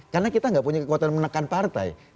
karena kita gak punya kekuatan menekan partai